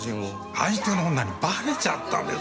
相手の女にばれちゃったんだよ。